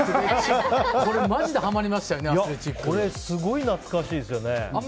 これ、すごい懐かしいですよね。